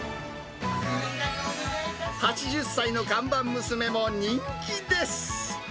８０歳の看板娘も人気です。